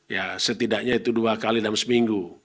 ya setidaknya itu dua kali dalam seminggu